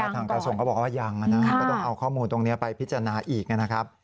ทางกระทรวงก็บอกว่ายังก็ต้องเอาข้อมูลตรงนี้ไปพิจารณาอีกนะครับ